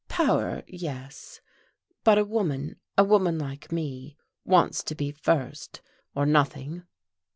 "Power yes. But a woman a woman like me wants to be first, or nothing."